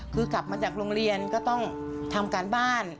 คือกลับมาจากโรงเรียนก็ต้องทำการบ้าน